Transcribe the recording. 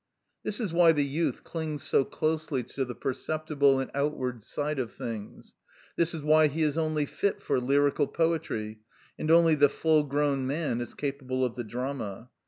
This is why the youth clings so closely to the perceptible and outward side of things; this is why he is only fit for lyrical poetry, and only the full grown man is capable of the drama.